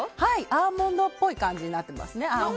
アーモンドっぽい感じになってます。